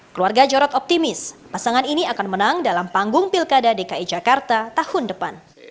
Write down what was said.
keluarga jarod optimis pasangan ini akan menang dalam panggung pilkada dki jakarta tahun depan